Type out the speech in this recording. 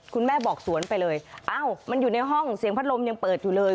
คุณแม่บอกสวนไปเลยอ้าวมันอยู่ในห้องเสียงพัดลมยังเปิดอยู่เลย